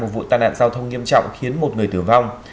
vụ tai nạn giao thông nghiêm trọng khiến một người tử vong